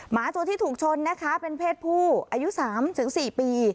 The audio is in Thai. หมาตัวที่ถูกชนนะคะเป็นเพศผู้อายุ๓๔ปี